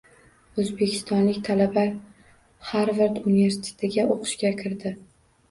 O‘zbekistonlik talaba Harvard universitetiga o‘qishga kirdi